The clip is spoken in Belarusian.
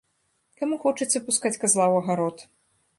Каму хочацца пускаць казла ў агарод?